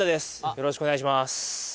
よろしくお願いします